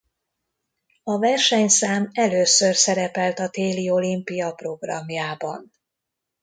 A versenyszám először szerepelt a téli olimpia programjában.